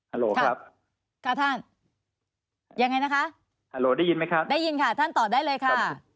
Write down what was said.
โหลครับค่ะท่านยังไงนะคะฮัลโหลได้ยินไหมครับได้ยินค่ะท่านตอบได้เลยค่ะ